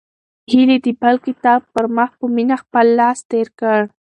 هیلې د بل کتاب پر مخ په مینه خپل لاس تېر کړ.